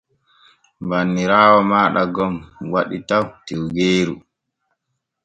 Banniraawo maaɗa gon waɗi taw tiwgeeru.